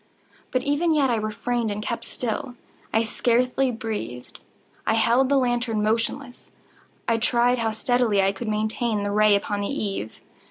But even yet I refrained and kept still. I scarcely breathed. I held the lantern motionless. I tried how steadily I could maintain the ray upon the eve.